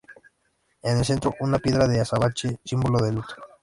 En el centro, una piedra de azabache símbolo del luto.